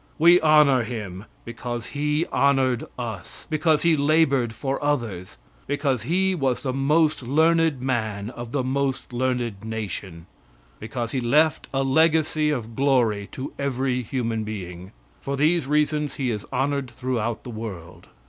We honor him because he honored us because he labored for others because he was the most learned man of the most learned nation because he left a legacy of glory to every human being. For these reasons he is honored throughout the world.